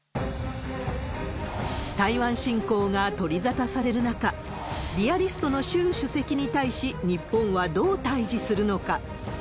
台湾侵攻が取り沙汰される中、リアリストの習主席に対し、日本はどう対じするのか。